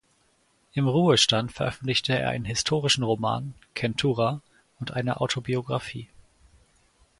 Im Ruhestand veröffentlichte er einen historischen Roman ("Kentura") und eine Autobiographie.